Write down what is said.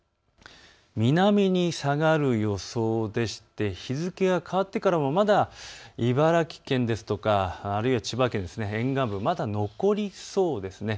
南に下がる予想で日付が変わってからもまだ茨城県や千葉県沿岸部、まだ残りそうです。